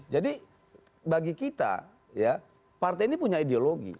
jadi bagi kita ya partai ini punya ideologi